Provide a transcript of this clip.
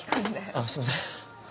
あっすいません。